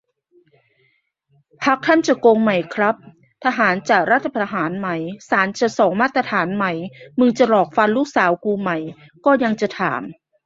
พรรคท่านจะโกงไหมครับ ทหารจะรัฐประหารไหม ศาลจะสองมาตรฐานไหม มึงจะหลอกฟันลูกสาวกูไหม ก็ยังจะถาม